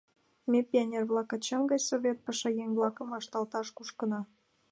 Ме, пионер-влак, ачам гай совет пашаеҥ-влакым вашталташ кушкына.